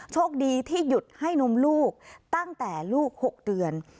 โชคดีที่หยุดให้นมลูกตั้งแต่ลูก๖เดือน